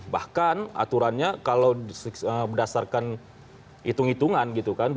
bahkan aturannya kalau berdasarkan hitung hitungan gitu kan